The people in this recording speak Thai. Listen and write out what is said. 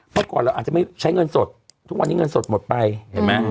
เมื่อก่อนเราอาจจะไม่ใช้เงินสดทุกวันนี้เงินสดหมดไปเห็นไหม